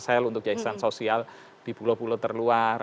sel untuk yayasan sosial di pulau pulau terluar